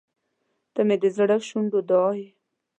• ته مې د زړه شونډو دعا یې.